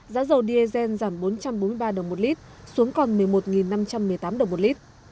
giá dầu diesel giảm bốn trăm bốn mươi ba đồng một lít xuống còn một mươi một năm trăm một mươi tám đồng một lít